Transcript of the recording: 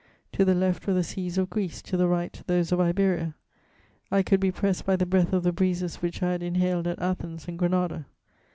To the left were the seas of Greece, to the right those of Iberia; I could be pressed by the breath of the breezes which I had inhaled at Athens and Granada.